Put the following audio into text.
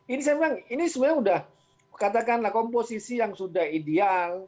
ini saya bilang ini sebenarnya sudah katakanlah komposisi yang sudah ideal